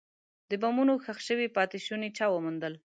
د بمونو ښخ شوي پاتې شوني چا وموندل.